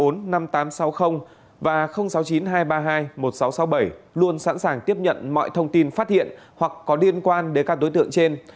sáu mươi chín hai trăm ba mươi hai một nghìn sáu trăm sáu mươi bảy luôn sẵn sàng tiếp nhận mọi thông tin phát hiện hoặc có liên quan đến các đối tượng trên